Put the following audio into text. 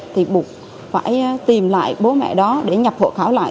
thì buộc phải tìm lại bố mẹ đó để nhập hộ khảo lại